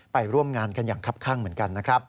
ไปร่วมงานกันอย่างคับข้างเหมือนกันนะครับ